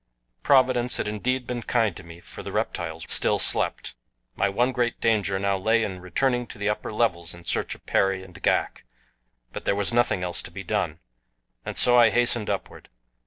Providence had indeed been kind to me, for the reptiles still slept. My one great danger now lay in returning to the upper levels in search of Perry and Ghak, but there was nothing else to be done, and so I hastened upward.